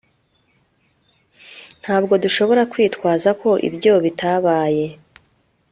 Ntabwo dushobora kwitwaza ko ibyo bitabaye